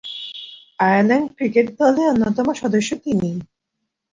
Ireland cricket দলের অন্যতম সদস্য তিনি।